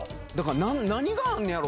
何があんねやろ？